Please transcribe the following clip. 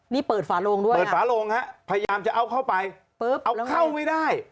นี่เปิดฝาโลงด้วยเปิดฝาโลงฮะพยายามจะเอาเข้าไปปุ๊บเอาเข้าไม่ได้